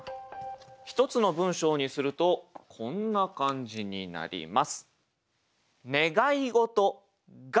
一つの文章にするとこんな感じになります。